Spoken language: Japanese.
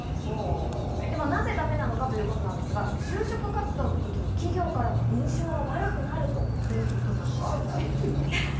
なぜだめなのかということですが就職活動の時に企業からの印象が悪くなるということなんです。